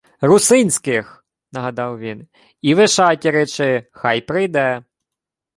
— Русинських! — нагадав він. — І Вишаті речи, хай прийде.